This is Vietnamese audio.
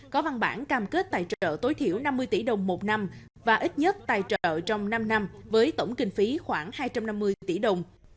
có văn bản cam kết tài trợ tối thiểu năm mươi tỷ đồng một năm và ít nhất tài trợ trong năm năm với tổng kinh phí khoảng hai trăm năm mươi tỷ đồng